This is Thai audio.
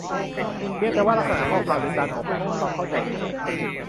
เพียงแต่ว่าลักษณะข้อความหรือการออกแบบ หรือความเข้าใจไปเอง